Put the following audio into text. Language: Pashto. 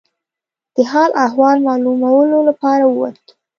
د حال احوال معلومولو لپاره ووت.